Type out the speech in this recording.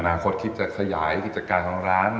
คตคิดจะขยายกิจการของร้าน